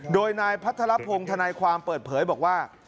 โดยนายพัทรพงศ์ธนายความเปิดเผยบอกว่า